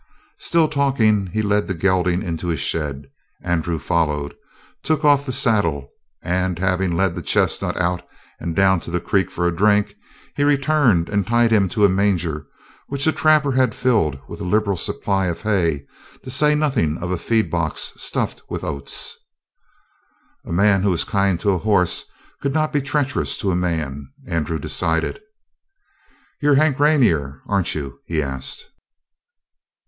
Still talking, he led the gelding into his shed. Andrew followed, took off the saddle, and, having led the chestnut out and down to the creek for a drink, he returned and tied him to a manger which the trapper had filled with a liberal supply of hay, to say nothing of a feed box stuffed with oats. A man who was kind to a horse could not be treacherous to a man, Andrew decided. "You're Hank Rainer, aren't you?" he asked.